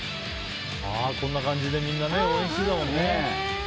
こんな感じでみんな応援してたもんね。